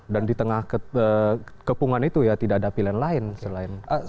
dan di tengah kepungan itu ya tidak ada pilihan lain selain